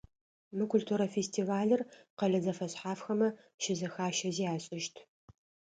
Мы культурэ фестивалыр къэлэ зэфэшъхьафхэмэ щызэхащэзи ашӏыщт.